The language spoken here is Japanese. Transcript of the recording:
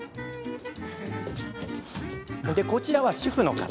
こちらは、主婦の方。